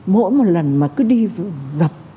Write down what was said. mỗi một lần mà cứ đi gặp